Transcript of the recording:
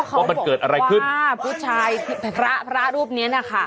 ก็เขาบอกว่าพุทธชายพระพระรูปนี้นะคะ